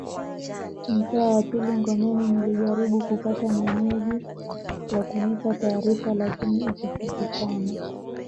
Mtaa wa pili Ngomeni nilijaribu kupata Mwenyeji wa kunipa taarifa lakini ikashindikana